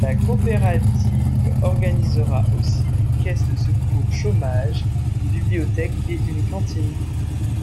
La coopérative organisera aussi une caisse de secours chômage, une bibliothèque et une cantine.